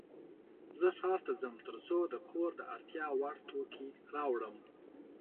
زه ښار ته ځم ترڅو د کور د اړتیا وړ توکې راوړم.